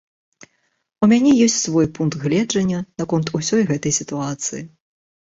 У мяне ёсць свой пункт гледжання наконт усёй гэтай сітуацыі.